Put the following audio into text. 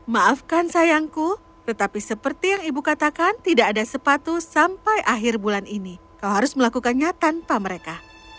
maafkan sayangku tetapi seperti yang ibu katakan tidak ada sepatu sampai akhir bulan ini kau harus melakukannya tanpa mereka